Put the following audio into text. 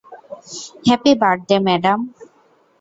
Happy birthday, madam.